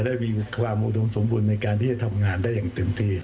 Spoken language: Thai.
ได้มีความอุดมสมบูรณ์ในการที่จะทำงานได้อย่างเต็มที่